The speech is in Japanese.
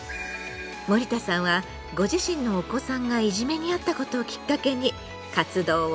森田さんはご自身のお子さんがいじめにあったことをきっかけに活動を始め